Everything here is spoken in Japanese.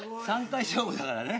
３回勝負だからね。